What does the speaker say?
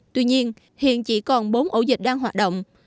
tuy nhiên hiện chỉ còn bốn ổ dịch đang hoạt động